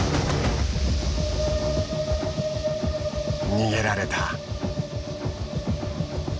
逃げられた。